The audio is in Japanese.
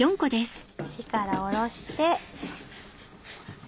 火から下ろして。